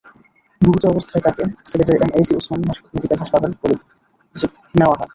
গুরুতর অবস্থায় তাঁকে সিলেটের এমএজি ওসমানী মেডিকেল কলেজ হাসপাতালে নেওয়া হয়।